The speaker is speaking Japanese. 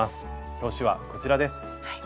表紙はこちらです。